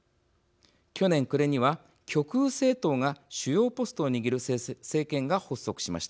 去年暮れには極右政党が主要ポストを握る政権が発足しました。